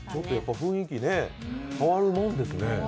雰囲気、変わるもんですね。